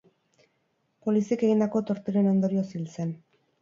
Poliziak egindako torturen ondorioz hil zen.